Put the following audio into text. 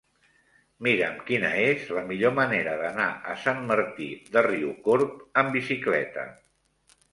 Mira'm quina és la millor manera d'anar a Sant Martí de Riucorb amb bicicleta.